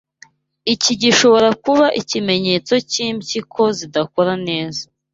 iki gishobora kuba ikimenyetso cy’impyiko zidakora neza